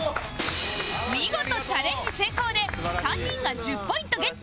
見事チャレンジ成功で３人が１０ポイントゲット